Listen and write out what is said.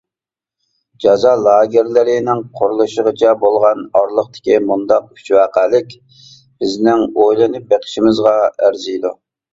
جازا لاگېرلىرىنىڭ قۇرۇلۇشىغىچە بولغان ئارىلىقتىكى مۇنداق ئۈچ ۋەقەلىك بىزنىڭ ئويلىنىپ بېقىشىمىزغا ئەرزىيدۇ.